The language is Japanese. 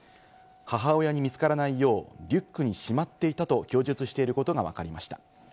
母親に見つからないようリュックにしまっていたと供述していることがわかりました。